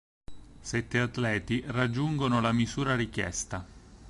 Sette atleti raggiungono la misura richiesta.